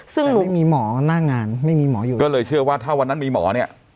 ซึ่งไม่มีหมอหน้างานไม่มีหมออยู่ก็เลยเชื่อว่าถ้าวันนั้นมีหมอเนี่ย